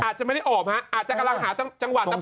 อาจจะไม่ได้ออบฮะอาจจะกำลังหาจังหวะ